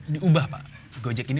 diubah pak gojek ini